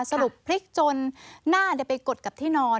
สรุปพลิกจนหน้าไปกดกับที่นอน